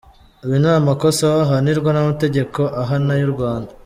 Ibi ni amakosa bihanirwa n’amategeko ahana y’u Rwanda.